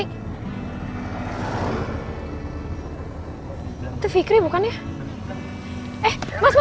itu vikri bukannya sih